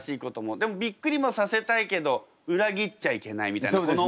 でもびっくりもさせたいけど裏切っちゃいけないみたいなこの。